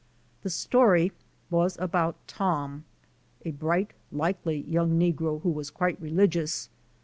The story was about Tom, a bright, likely young negro who was quite religious.